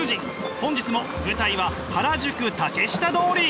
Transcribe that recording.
本日も舞台は原宿竹下通り。